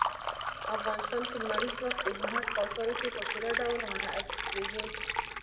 افغانستان کې لمریز ځواک د هنر په اثارو کې په پوره ډول منعکس کېږي.